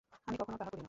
আমি কখনও তাহা করি না।